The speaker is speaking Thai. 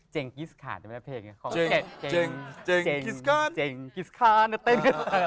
เจงกิสคานเต้นกิสคาน